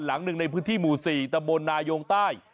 หลังหนึ่งในพื้นที่หมู่๔ตำบลนายงใต้